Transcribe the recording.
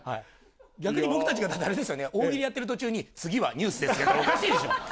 逆に僕たちがあれですよね、大喜利やってる途中に、次はニュースですってやったら、おかしいでしょ。